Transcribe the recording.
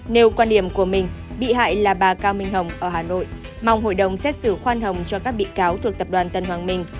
nếu quan điểm của mình bị hại là bà cao minh hồng ở hà nội mong hội đồng xét xử khoan hồng cho các bị cáo thuộc tập đoàn tân hoàng minh